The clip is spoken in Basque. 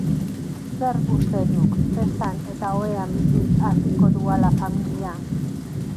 Zer uste duk, festan eta ohean biziz haziko duala familia?